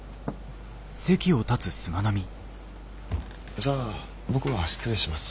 じゃあ僕は失礼します。